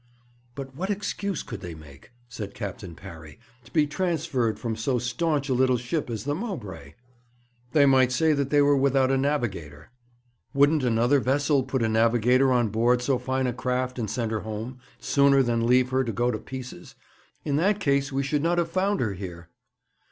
'But what excuse could they make,' said Captain Parry, 'to be transferred from so staunch a little ship as the Mowbray?' 'They might say that they were without a navigator.' 'Wouldn't another vessel put a navigator on board so fine a craft and send her home, sooner than leave her to go to pieces? In that case we should not have found her here.'